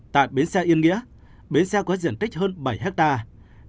tại bến xe yên nghĩa bến xe có diện tích hơn bảy hectare